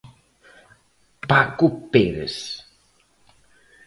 Paco Pérez.